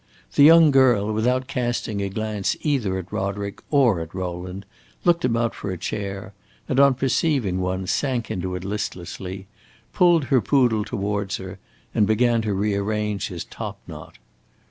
The young girl, without casting a glance either at Roderick or at Rowland, looked about for a chair, and, on perceiving one, sank into it listlessly, pulled her poodle towards her, and began to rearrange his top knot.